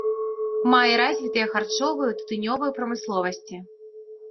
Мае развітыя харчовую і тытунёвую прамысловасці.